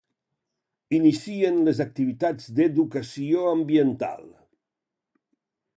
Inicien les activitats d'educació ambiental.